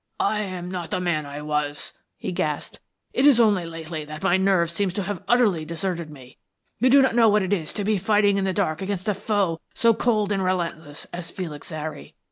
"I am not the man I was," he gasped. "It is only lately that my nerve seems to have utterly deserted me. You do not know what it is to be fighting in the dark against a foe so cold and relentless as Felix Zary.